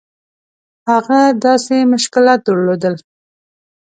هغه داسې مشکلات درلودل.